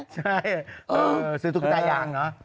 ใช่ซื้อทุกตายางเนอะ